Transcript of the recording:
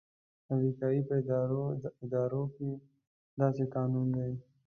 د امریکې په ادارو کې داسې قانون دی.